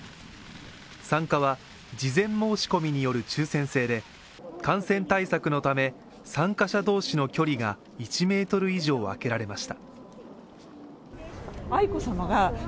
参加は事前申し込みによる抽選制で、感染対策のため参加者同士の距離が１ｍ以上空けられました。